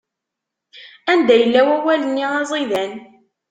Anda yella wawal-nni aẓidan?